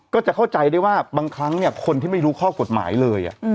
ก็จะเข้าใจได้ว่าบางครั้งคนที่ไม่รู้ข้อกฎหมายเลย